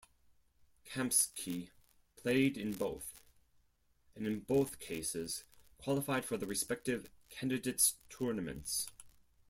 Kamsky played in both, and in both cases qualified for the respective Candidates Tournaments.